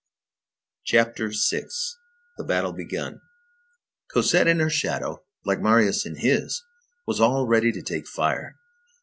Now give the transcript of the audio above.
CHAPTER VI—THE BATTLE BEGUN Cosette in her shadow, like Marius in his, was all ready to take fire.